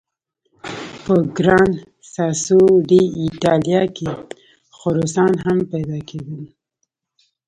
په ګران ساسو ډي ایټالیا کې خرسان هم پیدا کېدل.